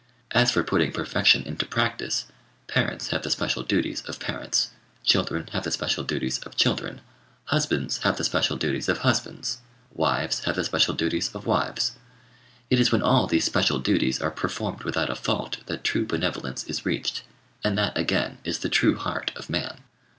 As for putting perfection into practice, parents have the special duties of parents; children have the special duties of children; husbands have the special duties of husbands; wives have the special duties of wives. It is when all these special duties are performed without a fault that true benevolence is reached; and that again is the true heart of man.